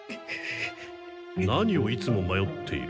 何をいつもまよっている？